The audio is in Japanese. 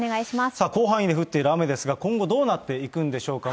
広範囲に降っている雨ですが、今後どうなっていくんでしょうか。